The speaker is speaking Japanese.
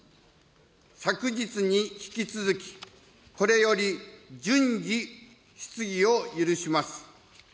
昨日に引き続き、これより順次質疑を許します。